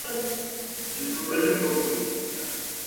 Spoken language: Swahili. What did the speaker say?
Mwaka elfumoja miasita themanini na tatu Waosmani walijaribu mara ya